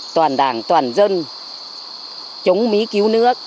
toàn đảng toàn dân chống mỹ cứu nước